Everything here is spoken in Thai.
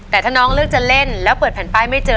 แต่ถ้าน้องเลือกจะเล่นแล้วเปิดแผ่นป้ายไม่เจอ